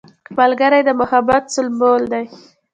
ملګری د محبت سمبول دی